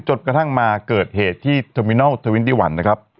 จนกระทั่งมาเกิดเหตุที่ทมินัล๒๑